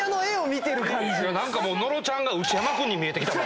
何かもう野呂ちゃんが内山君に見えてきた。